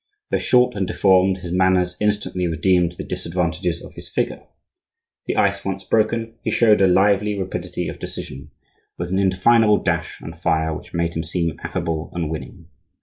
Though short and deformed, his manners instantly redeemed the disadvantages of his figure. The ice once broken, he showed a lively rapidity of decision, with an indefinable dash and fire which made him seem affable and winning.